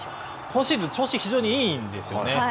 今シーズン、非常に調子がいいんですよね。